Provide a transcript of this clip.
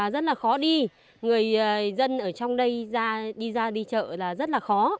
rất là khó đi người dân ở trong đây ra đi ra đi chợ là rất là khó